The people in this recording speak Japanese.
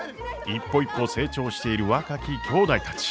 一歩一歩成長している若ききょうだいたち。